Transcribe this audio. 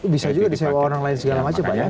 bisa juga disewa orang lain segala macam pak ya